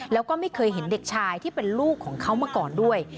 แล้วก็ไม่เคยเห็นเด็กชายที่เป็นลูกของเขามาก่อนด้วย